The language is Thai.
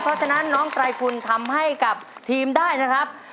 เพราะฉะนั้นน้องไตรคุณทำให้กับทีมได้นะครับ